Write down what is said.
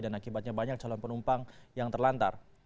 dan akibatnya banyak calon penumpang yang terlantar